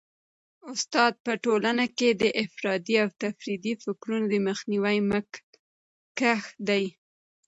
استاد په ټولنه کي د افراطي او تفریطي فکرونو د مخنیوي مخکښ دی.